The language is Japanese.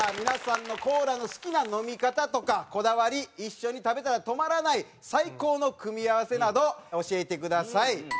皆さんのコーラの好きな飲み方とかこだわり一緒に食べたら止まらない最高の組み合わせなど教えてください。